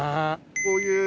こういう。